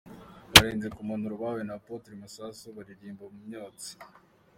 Barenze ku mpanuro bahawe na Apotre Masasu baririmbira mu myotsi.